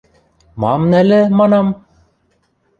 – Мам нальӹ, манам?!